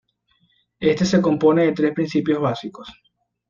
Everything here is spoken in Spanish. Este se compone de tres principios básicos.